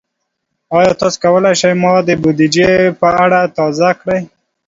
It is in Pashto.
ایا تاسو کولی شئ ما د بودیجې په اړه تازه کړئ؟